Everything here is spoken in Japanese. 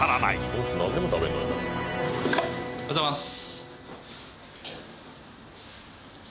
おはようございます